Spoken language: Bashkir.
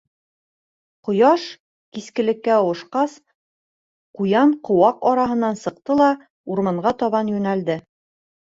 Ҡояш кискелеккә ауышҡас, Ҡуян ҡыуаҡ араһынан сыҡты ла, урманға табан йүнәлде.